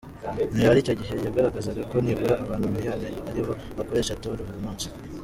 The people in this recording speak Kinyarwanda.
Imibare icyo gihe yagaragazaga ko nibura abantu miliyoni aribo bakoresha Tor buri munsi.